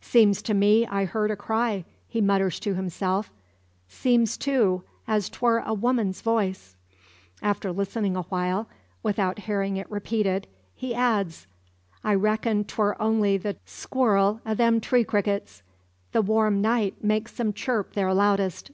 "Seems to me I heard a cry," he mutters to himself; "seems, too, as 'twar a woman's voice." After listening awhile, without hearing it repeated, he adds: "I reckon, 'twar only the skirl o' them tree crickets. The warm night makes 'em chirp their loudest."